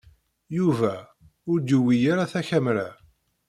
Yuba ur d-yuwiy ara takamra.